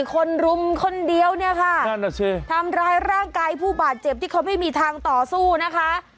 คนรุมคนเดียวเนี่ยค่ะนั่นน่ะสิทำร้ายร่างกายผู้บาดเจ็บที่เขาไม่มีทางต่อสู้นะคะ